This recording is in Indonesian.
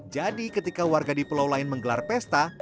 jadi ketika warga di pelau lain menggelar pesta